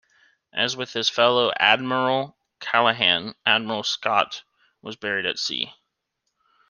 As with his fellow Admiral Callaghan, Admiral Scott was buried at sea.